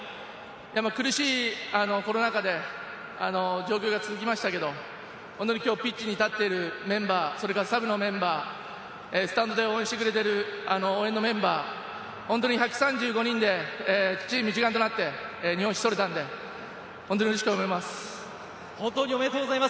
苦しいコロナ禍での状況が続きましたけど、今日ピッチに立っているメンバー、サブのメンバー、スタンドで応援してくれている応援のメンバー、本当に１３５人でチーム一丸となって日本一取れたんで、本当にうれしく思います。